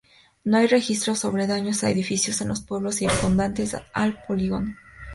No hay registros sobre daños a edificios en los pueblos circundantes al Polígono.